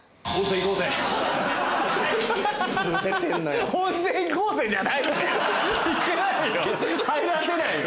行けないよ！